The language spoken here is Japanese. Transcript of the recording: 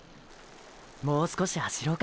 もう少し走ろうか。